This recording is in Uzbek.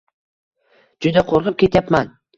Juda qo`rqib ketyapman